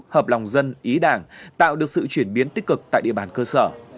hợp lòng dân ý đảng tạo được sự chuyển biến tích cực tại địa bàn cơ sở